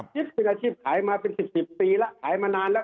คิดเป็นอาชีพขายมาเป็น๑๐ปีแล้วขายมานานแล้ว